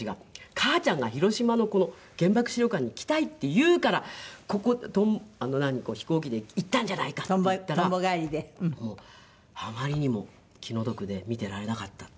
「母ちゃんが“広島の原爆資料館に来たい”って言うから飛行機で行ったんじゃないか！」って言ったら「あまりにも気の毒で見ていられなかった」って。